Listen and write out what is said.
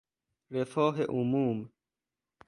رفاه عموم